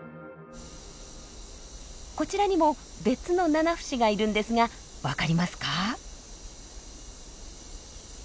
こちらにも別のナナフシがいるんですが分かりますか？